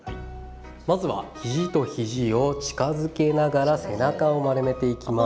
まずは肘と肘を近づけながら背中を丸めていきます。